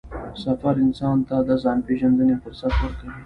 سفر انسان ته د ځان پېژندنې فرصت ورکوي